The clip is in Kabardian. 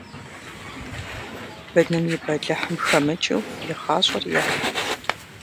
Быным и бэлыхьым хэмыкӀыу и гъащӀэр ехь.